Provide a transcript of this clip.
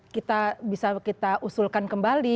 kita bisa kita usulkan kembali